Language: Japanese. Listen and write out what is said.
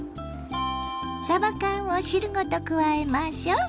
さば缶を汁ごと加えましょう。